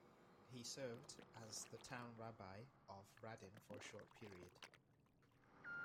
He served as the town rabbi of Radin for a short period.